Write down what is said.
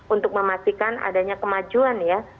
untuk memastikan adanya kemajuan ya